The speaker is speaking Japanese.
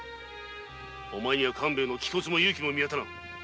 お前には父親の気骨も勇気も見当たらん。